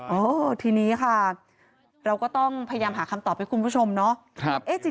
เออทีนี้ค่ะเราก็ต้องพยายามหาคำตอบให้คุณผู้ชมเนาะ